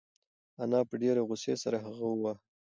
انا په ډېرې غوسې سره هغه وواهه.